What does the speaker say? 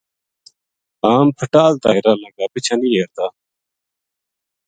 ہم پھٹال تا ہیراں لگا پچھاں نی ہیرتا